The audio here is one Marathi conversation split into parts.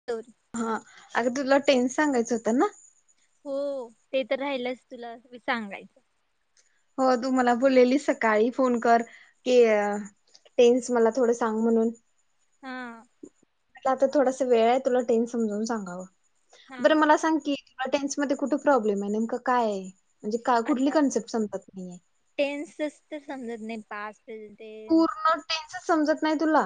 [unintelligible] हा अग तुला टेन्स सांगायचं होतं ना. हो ते तर राहिलंच तुला सांगायचं. हो तू मला बोललेली सकाळी फोन कर की टेन्स मला थोडं सांग म्हणून हा मला आता थोडासा वेळ हाय, तुला टेन समजावून सांगावं बरं मला सांग की ह्या टेन्स मध्ये कुठ प्रॉब्लेम हाय, नेमक काय ये? म्हणजे का कुठली आता कन्सेप्ट समजत नाहीये टेन्सच तर समजत नाय पा [unintelligible] पूर्ण टेन्सच समजत नाय तुला?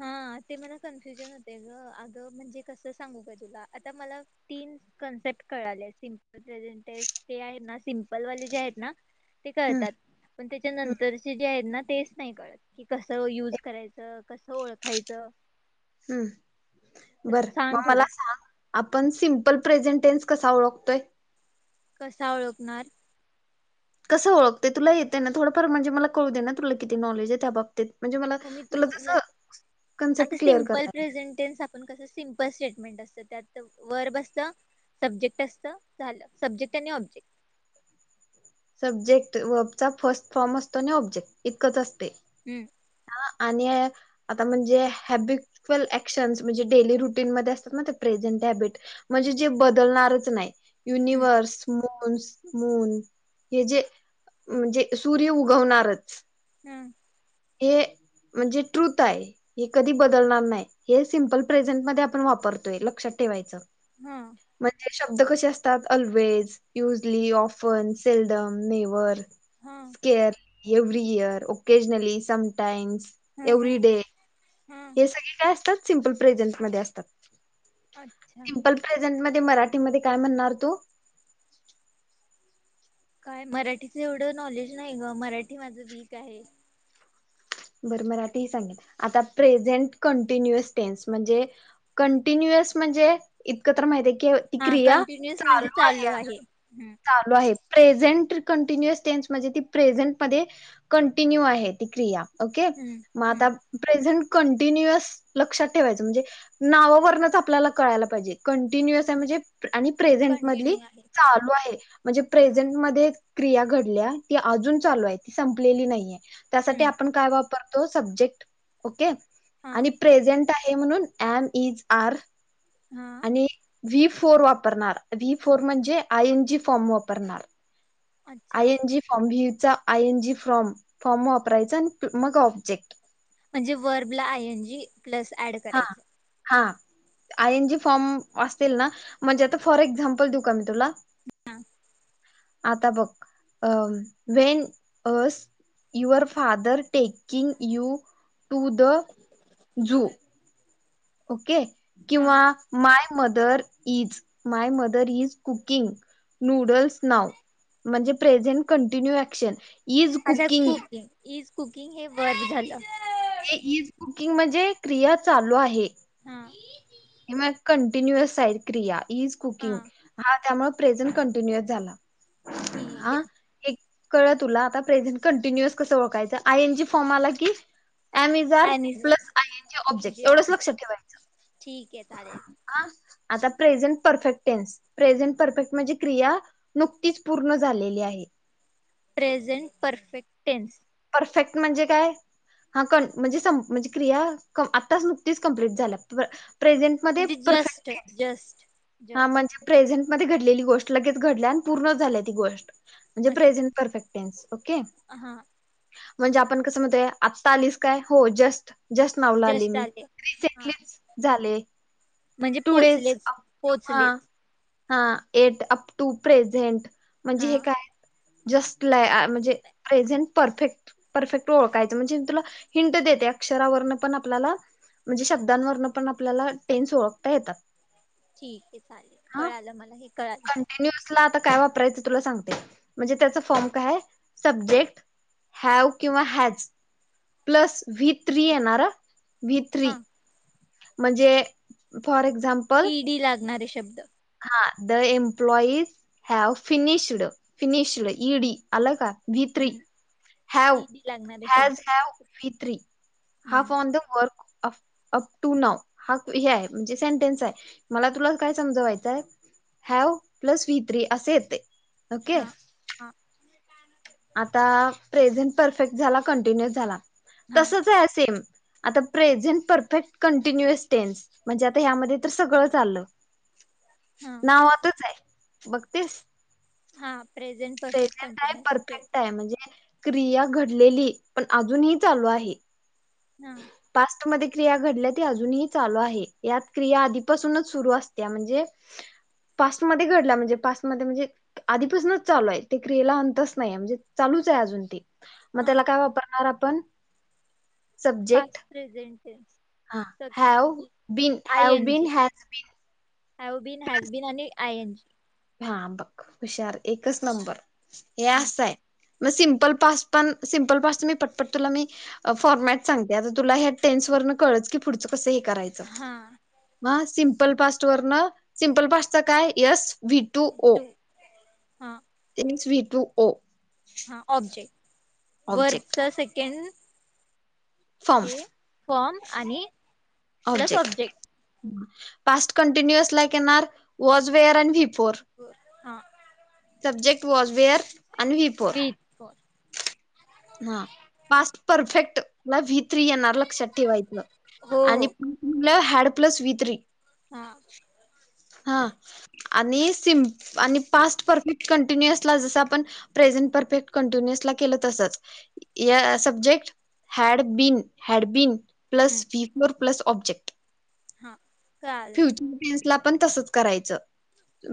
हा ते मला कन्फ्युजन होते ग अगं म्हणजे कसं सांगू का तुला आता मला तीन कन्सेप्ट कळाले सिम्पल प्रेझेंटे ते आहेत ना सिम्पल वाले जे आहेत ना. ते हम्म कळतात पण हम्म त्याच्यानंतरचे जे आहेत ना तेच नाय कळत की कसं यूज करायचं. कस ओळखायचं? हम्म तर बरं म सांग मला थोडं. सांग आपण सिम्पल प्रेझेंटेन्स कसा ओळखतोय? कसा ओळखणार? कस ओळखते तुलाइ येत ना थोडंफार म्हणजे मला कळू दे ना तुला किती नॉलेज आहे त्या बाबतीत. म्हणजे मला म मी तुला जसं आता कन्सेप्ट क्लिअर सिम्पल करता येईल प्रेझंटेनस पण कसं सिमपल स्टेटमेंट असतं त्यात वर बसत. सब्जेक्ट असतं झालं, सब्जेक्ट आणि ऑब्जेक्ट. सब्जेक्ट वर्बचा फर्स्ट फॉर्म असतो आण ऑब्जेक्ट इतकंच असते. हम्म. का आणि आता म्हणजे हॅबिक्यूअल ऍक्शन्स म्हणजे डेली रुटीनमध्ये असतात ना ते प्रेझंट हॅबिट म्हणजे जे बदलणारच नाय हम्म युनिव्हर्स मून मून हे जे म्हणजे सूर्य उगवणारच. हम्म. हे म्हणजे ट्रुथ हाय. हे कधी बदलणार नाई हे सिम्पल प्रेझेंटमध्ये आपण वापरतोय लक्षात ठेवायचं. हम्म. म्हणजे शब्द कसे असतात always, usually, often seldom, never hmm scarce, every year, occasionally, sometimes, hmm every hmm day hmm. हे सगळे काय असतात सिम्पल प्रेझेंट मध्ये असतात, अच्छा सिम्पल प्रेझेंट मध्ये, मराठीमध्ये काय म्हणणार तू? काय मराठीच एवढं नॉलेज नाही ग, मराठी माझं वीक आहे. बर मराठी ही सांगीन, आता प्रेझेंट कंटीन्यूअस टेन्स, म्हणजे कंटिन्युअस म्हणजे इतकं तर माहितीय की ती हा क्रिया कंटिन्युअस म्हणजे चालू आहे अजून. हम्म चालू आहे, प्रेझेंट कंटिन्युअस टेन्स म्हणजे ती प्रेझेंट मध्ये कंटिन्यू आहे ती क्रिया ओके, हम्म म हम्म आता प्रेझेंट कंटिन्युअस लक्षात ठेवायचं म्हणजे नावावरनच आपल्याला कळायला पाहिजे कंटिन्युअस आहे म्हणजे आणि प्रेझेंट मधली कंटिन्यू आहे चालू आहे, म्हणजे हा प्रेझेंट मध्ये क्रिया घडल्या ती अजून चालू आहे ती संपलेली नाहीेये, त्यासाठी हम्म आपण काय वापरतो सबजेक्ट ओके, हा आणि प्रेझेंट आहे म्हणून, ऍन एस आर हां. आणि व्ही फोर वापरणार, व्ही फोर म्हणजे आय एन जी फॉर्म वापरणार. अच्छा आय एन जी फॉम हीचा I N G form form वापरायचा आणि मग ऑब्जेक्ट. म्हणजे वर्ब ला I N G plus add हां. करायचं. हा, आय एन जी फॉम असतील ना म्हणजे आता फॉर एक्झाम्पल देऊ का मी तुला? हां. आता बघ अ when as your father taking you to the zoo okay, हा किंवा my mother is my mother is cooking noodles now, म्हणजे प्रेझेंट कंटिन्यू अऍक्शन आजय कुक दिन, इज कुकिंग हे वर्ब झाल. हे ईज कुकिंग म्हणजे क्रिया चालू आहे. हां. हे मग कंटिन्युअस साईड क्रिया इज कुकिंग, हा हा त्यामुळे प्रेझंट कंटिन्युअस झाला. ठीक हां. आहे एक कळल तुला आता प्रेझेंट कंटिन्युअस कसं ओळखयचं, आय एन जी फॉर्म आला की एम एज आर आणि plus I N G object एवढच लक्षात ठेवायचं. ठीक ये चालेल. हा आता प्रेझेंट परफेक्टेन्स. प्रेझेंट परफेक्ट म्हणजे क्रिया नुकतीच पूर्ण झालेली आहे. Present perfect tense. परफेक्ट म्हणजे काय? हा कन म्हणजे सम म्हणजे क्रिया क आत्ताच नुकतीच कंप्लीट झाल्या, प्रेझेंट मध्ये म्हणजे परफेक्ट जस्ट टेन्स, जस्ट हा जस्ट म्हणजे प्रेझेंट मध्ये घडलेली गोष्ट लगेच घडल्या आणि पूर्ण झाल्या ती गोष्ट. म्हणजे प्रेझेंट परफेक्टेन्स ओके. ह हां. म्हणजे आपण कसं म्हणतय आता आलीस काय? हो जस्ट. जस्ट नावला आले मी, हा रिसेंटलीच झाले. म्हणजे टु डेज पोचलेच [unintelligible] पोचलेच हा एट अप टू प्रेझेंट म्हणजे हा हे काय? जस्ट ला म्हणजे प्रेझंट. परफेक्ट परफेक्ट ओळखायचं म्हणजे तुला हिंट देते अक्षरावरन पण आपल्याला म्हणजे शब्दांवरन पण आपल्याला टेन्स ओळखता येतात. ठीक आहे चालेल कळालं मला हे कळालं. न्यजला आता काय वापरायचं तुला सांगते. म्हणजे त्याच फॉर्म काय आहे सब्जेक्ट हॅव किंवा हॅज प्लस व्ही थ्री येणार हा व्ही थ्री. हा म्हणजे फॉर एक्झाम ई डी लागणारे शब्द. हा the employees have finished finished ED आलं का. बि थ्री हम्म हॅव ईडी लागणारे हॅज शब्द have. V three half hmm on the work of up to now हा हे आहे म्हणजे सेंटेन्स आहे मला तुला काय समजावायचं तर हॅव प्लस वी थ्री अस येतंय ओके. हा हा आता प्रेझेंट परफेक्ट झाला कंटिन्युअ झाला हा तसच आहे सेम. आता प्रेझेंट परफेक्ट कंटिन्युअस टेन्स म्हणजे आता ह्यामध्ये तर सगळचं आलं. [inaudible] नाव आतच आहे बघतीस. हा प्रेझेंट परफेक्ट प्रेझेंट आहे, कंटिन्युअस टेन्स. परफेक्ट आहे, म्हणजे क्रिया घडलेली पण अजूनही चालू आहे. हा पास्टमध्ये क्रिया घडल्या ती अजूनही चालू आहे. यात क्रिया आधीपासूनच सुरू असत्या म्हणजे पास्टमध्ये घडला म्हणजे पास्टमध्ये म्हणजे आधीपासूनच चालू आहे, ते क्रियेला अंतच नाहीे म्हणजे चालूच आहे अजून ते. म हा त्याला काय वापरणार आपण? Subject past present tense. हा have been I have N been G has been. Have been has been आणि आय एन जी. हा बघ हुशार एकच नंबर हे हम्म. असं आहे. मग सिंपल पास्ट पण सिंपल पास्ट मी पटपट तुला मी अ फॉरमॅट सांगते. आता तुला ह्या टेन्सवरण कळलच की पुढंचं कसं हे करायच. चं हा म हा सिम्पल पास्ट वरन सिम्पल पास्टचा काय यस वी टू ओ हा मीन्स वि टू ओ. हा ऑब्जेक्ट वरच ऑब्जेक्ट सेकेंड फॉर्म हे फ्रॉम आणि ऑब्जेक्ट हम्म पास्ट कंटिन्युअसला एक येणार वॉज वेअर आणि व्हीप. फॉर हा सब्जेक्ट वॉज वेअर आणि वी फॉर. हा पास्ट परफेक्ट ला वी थ्री येणार लक्षात ठेवायचं आणि हो हॅड प्लस वी थ्री. हा हा आणि सिम आणि पास्ट परफेक्ट कंटिन्युअस ला जसं आपण प्रेझेंट परफेक्ट कंटिन्युअस ला केल तसंच या subject had been had been. Hmm plus V four plus object. हा कळालं. फ्युचर टेन्सला पण तसंच करायचं.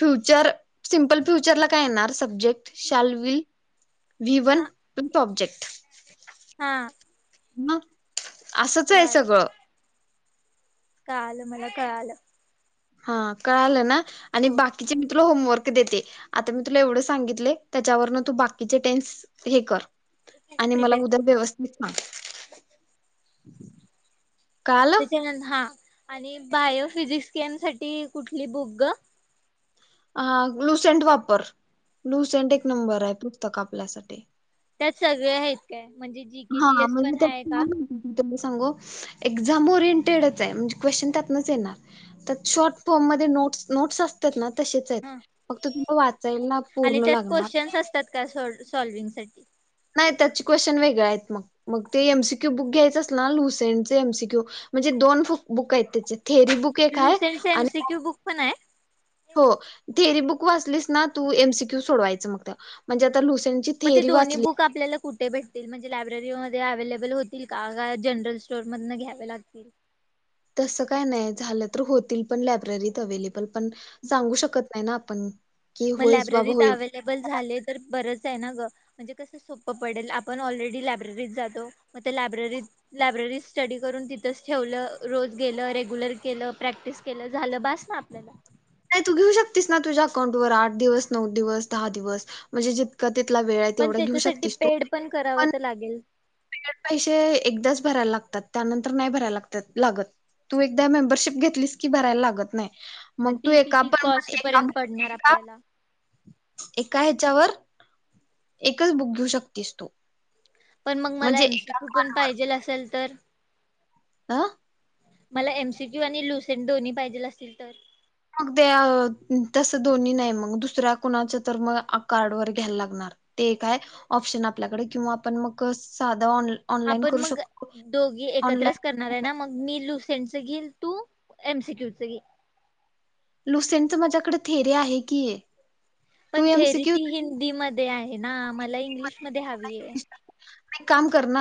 फ्युचर, सिम्पल फ्युचरला काय येणार subject shall will V one हा पण तो ऑब्जेक्ट, हा.. मग असंच आहे कळालं, सगळं कळालं मला कळालं. हा कळालं ना आणि हो बा किचे मी तुला होमवर्क देते, आता मी तुला एवढं सांगितलयं त्याच्यावरनं तू बाकीचे टेन्स हे कर आणि मला प्रिपेअर उद्या कर व्यवस्थित सांग. कळालं त्याच्यानंतर हा आणि बायो, फिजिक्स, केम साठी कुठली बुक गं.? अ ग्लुसेंट वापर, ग्लुसेंट एक नंबर आहे पुस्तक आपल्यासाठी. त्यात सगळे आहेत काय म्हणजे जी के जीएस पण आहे का? तुला मी सांगू एक्झाम ओरिएंटेडच आहे म्हणजे क्वेशचन त्यातनचं येणार. त्यात शॉर्ट फोर्म मध्ये नोट्स, नोट्स असं त्यात ना तसेच आहेत, हा फक्त्त तुला वाचायला आणि पूर्ण लागणार. त्यात काय सोड सॉल्विंगसाठी.. नाही त्याची क्वेश्चन वेगळें आहेत मग, मग ते एमसीक्यू बुक घ्यायचं अस ना लुसेंटचे एमसीक्यू म्हणजे दोन बुक आहेत त्याचे थेरी बुक, एक आहे लुसेंटचे आणि एमसीक्यू बुक पण आहे.? हो थेअरी बुक वाचलीस ना, तू एमसीक्यू सोडवायचं मग त्या. म्हणजे आता लुसेंटची मग ते थेरी दोन्ही वाचली, बुक आपल्याला कुठे भेटतील म्हणजे लायब्ररीमध्ये अव्लेबल होतील का, जनरल स्टोअर मधनं घ्यावे लागतील? तसं काय नाही, झालं तर होतील पण लायब्ररीत अवेलेबल. पण सांगू शकत नाही ना आपण. की मग होईच बाबा लायब्ररीत होईल अव्हेलेबल झाले तर बरंच आहे ना ग. म्हणजे कसं सोपं पडेल आपण ऑलरेडी लायब्ररीत जातो, मग ते लायब्ररीत लायब्ररीत स्टडी करून तिथच ठेवलं, रोज गेलं, रेग्युलर केलं, प्रॅक्टिस केलं, झालं बास. हा आपल्याला. नाही तू घेऊ शकतीस ना, तुझ्या अकाउंट वर आठ दिवस, नऊ दिवस, दहा दिवस म्हणजे जितका तितला वेळ आहे. पण तेवढा घेऊ त्याच्यासाठी शकतीस पेड पण करावं तर लागेल. तीनं पैसे एकदाच भरायला लागतात, त्यानंतर नाही भरायला लागत्यात, लागत. तू एकदा मेंबरशिप घेतलीस की, भरायला लागत नाही. मग तू ती एका किती कॉस्ट पर्यंत पडणार आपल्याला [unintelligible] एका हेच्यावर एकच बुक घेऊ शकतीस तू. पण मग मला म्हणजे एम सी एका क्यू पण कार्डवर पाहिजेल असेल तर? आ.. मला एमसीक्यू आणि लुसेंट दोन्ही पाहिजेल असतील तर,? मग ते तसं दोन्हीं नाही मग, दुसऱ्या कुणाच्या तर मग आ कार्ड वर घ्यायला लागणार. ते काय ऑपशन आपल्याकडे किंवा आपण मग साधं ऑन ऑनलाईन आपण करू मग शकतो. दोघी एकत्रच ऑनलाईन कर -णार आहे ना मग मी लुसेंट च घेईन, तू एमसीक्यू च घे. लुसेंटच माझ्याकडे थेरी आहे की, तू पण थेरी एमसीक्यू ती हिंदीमध्येध्ये आहे ना, मला इंग्लिश मध्ये हवी आहे. एक काम कर ना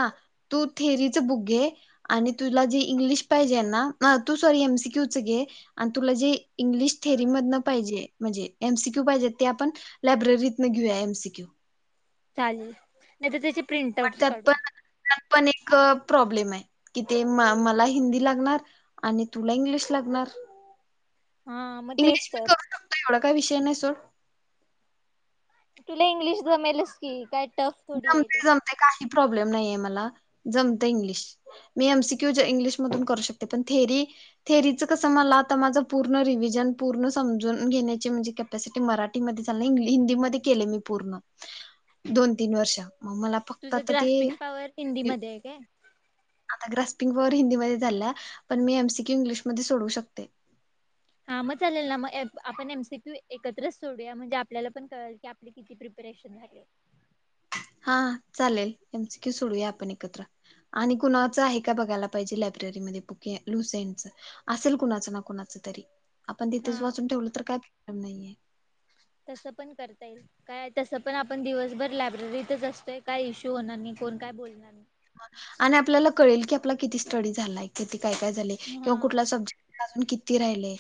तू थेरीच बुक घे. आणि तुला जी इंग्लिश पाहिजे ना तू सॉरी एमसीक्यू च घे. आणि तुला जे इंग्लिश थेरी मधन पाहिजे म्हणजे एमसीक्यू पाहिजे ते आपण..... लायब्ररीतन घेऊया एमसीक्यू. चालेल नाही तर त्याची प्रिंट पण आउटच त्यात पण काढूया. पण एक प्रॉब्लेम आहे कि ते म मला हिंदी लागणार........ आणि तुला इंग्लिश लागणार. [inaudible] मग इंग्लिश तेच मी तर करू शकतो एवढा काय विषय नाही सोड. तुला इंग्लिश जमेलस की काय..... टफ थोडी आहे ते जमते जमते काही प्रॉब्लेम नाहीये मला जमते इंग्लिश. मी एमसीक्यू इंग्लिशमधून करू शकते पण थेरी. थेरीचं कसं मला आता माझं पूर्ण रिव्हिजन पूर्ण समजून घेण्याचे म्हणजे..... तस ते मराठी मध्ये हिंदी मध्ये केलंय मी पूर्ण दोन तीन वर्ष मला... फक्त तुझं आता ते ग्रास्पिंग पॉवर हिंदीमध्ये आहे काय? आता ग्रास्पिंग वर हिंदीमध्येध्ये झाला पण मी एमसी क्यू इंग्लिशमध्येध्ये सोडवू शकते. हा मग चालेल ना मग आपण एमसीप्यू एकत्रच सोडूया म्हणजे आपल्याला पण कळल की. किती प्रिपरेशन झा- हा चालेल एमसीक्यू सोडवूया आपण एकत्र. आणि कुणाचं आहे का बघायला पाहिजे लायब्ररीमध्ये बुके लुसेंटच. असेल कुणाचं ना कुणाचं तरी आपण तिथेच हा वाचून ठेवलं तर काही प्रॉब्लेम नाहीये. तसं पण करता येईल. काय तसं पण आपण दिवसभर लायब्ररीतच असतोय काय इशू होणार नाही कोण काय बोलणार नाही. आणि आपल्याला कळेल की आपला किती स्टडी झालाय किती काय झाले हा. किंवा सब्जेक्ट- अजून किती राहिले.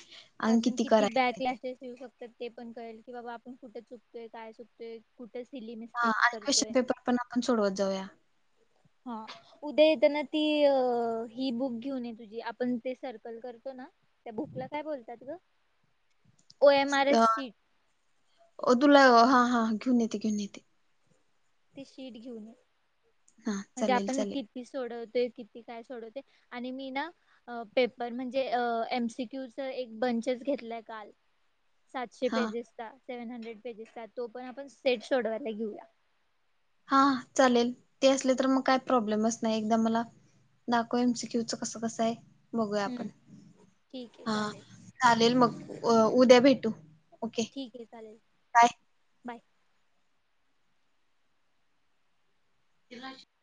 आणि अजून किती बॅक करायचं लॅसेस येऊ शकतात पण कळेल की बाबा आपण कुठे चुकतोय काय चुकतोय. कुठे सिली हा मिस्टेक्स आणि करते. क्वेश्चन पेपर पण सोडवत जाऊया. हा. उद्या येेतना ती ही बुक घेऊन ये तुझी आपण ते सर्कल करतो ना. त्या बुकला काय बोलतात ग O M R S C- अ तुला हा हा घेऊन येते घेऊन येते. ते शीट घेऊन ये- हा म्हणजे चालेल आपण चालेल किती सोडवतो किती काय सोडवते आणि मी ना- अ पेपर म्हणजे अ एमसीक्यूच एक बंचच घेतलंय काल- सातशे हा पेजेसचा सेव्हन हंड्रेड पेजेसचा तो पण आपण सेट शोडयला घेऊया. हा चालेल ते असले तर मग काय प्रॉब्लेमच नाही एकदा मला. दाखव एमसीक्यूचं कस आहे बघूया आपण हम्म ठीक आहे हा. चालेल चालेल मग उ उद्या भेटू ओके. ठीक आहे चालेल बाय बाय. त [unintelligible]